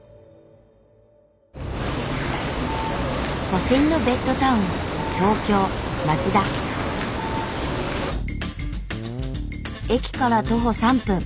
都心のベッドタウン駅から徒歩３分。